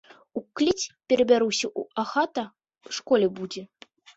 У клець перабяруся, а хата школе будзе!